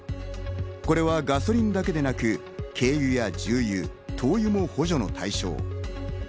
これはガソリンだけではなく軽油や重油、灯油も補助の対象。